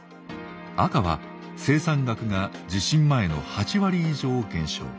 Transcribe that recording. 赤は生産額が地震前の８割以上減少